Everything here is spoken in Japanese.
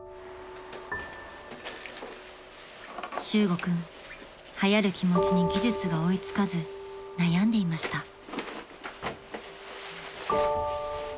［修悟君はやる気持ちに技術が追いつかず悩んでいました］